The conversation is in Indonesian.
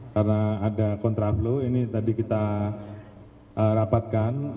karena ada kontraflu ini tadi kita rapatkan